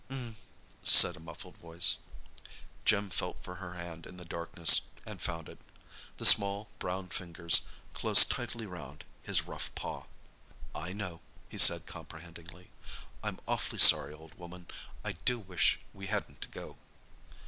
"'M," said a muffled voice. Jim felt for her hand in the darkness—and found it. The small, brown fingers closed tightly round his rough paw. "I know," he said comprehendingly. "I'm awfully sorry, old woman. I do wish we hadn't to go."